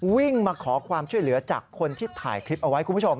วิ่งมาขอความช่วยเหลือจากคนที่ถ่ายคลิปเอาไว้คุณผู้ชม